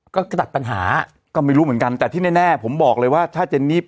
ก็กระตัดปัญหาก็ไม่รู้เหมือนกันแต่ที่แน่ผมบอกเลยว่าถ้าเจนนี่